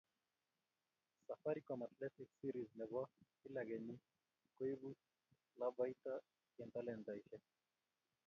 Safaricom Athletics series ne bo kila kenyii koibuu lobeito eng talantaishe.